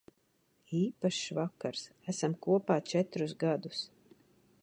Īpašs vakars. Esam kopā četrus gadus.